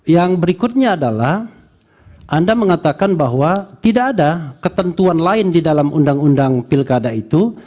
yang berikutnya adalah anda mengatakan bahwa tidak ada ketentuan lain di dalam undang undang pilkada itu